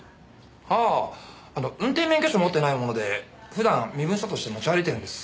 ああ運転免許証を持っていないもので普段身分証として持ち歩いているんです。